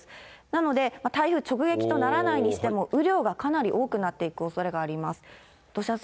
なので、台風直撃とならないにしても、雨量がかなり多くなっていくおそれがあります。